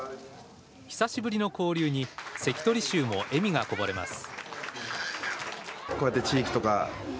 久しぶりの交流に関取衆も笑みがこぼれます。